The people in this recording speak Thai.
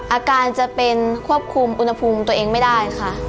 อาการจะเป็นควบคุมอุณหภูมิตัวเองไม่ได้ค่ะ